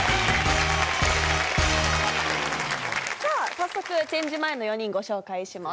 早速チェンジ前の４人ご紹介します。